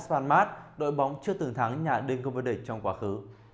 la spalmast đội bóng chưa từng thắng nhà đơn công vua địch trong quá khứ